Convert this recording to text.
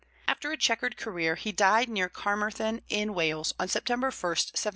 After a chequered career, he died near Carmarthen, in Wales, on September 1, 1729.